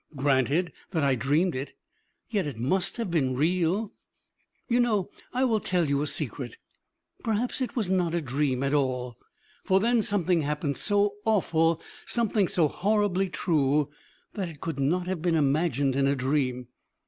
Granted that I dreamed it, yet it must have been real. You know, I will tell you a secret: perhaps it was not a dream at all! For then something happened so awful, something so horribly true, that it could not have been imagined in a dream.